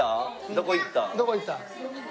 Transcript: どこ行った？